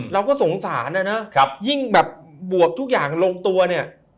เราก็สงสารนะนะยิ่งแบบบวกทุกอย่างลงตัวเนี่ย